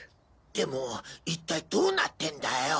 でも一体どうなってんだよ？